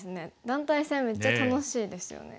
団体戦めっちゃ楽しいですよね。